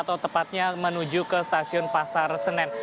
atau tepatnya menuju ke stasiun pasar senen